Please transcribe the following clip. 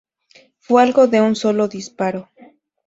Fue algo de un solo disparo.